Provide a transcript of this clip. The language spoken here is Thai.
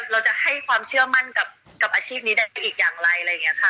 เราจะให้ความเชื่อมั่นกับอาชีพนี้ดันไปอีกอย่างไรอะไรอย่างนี้ค่ะ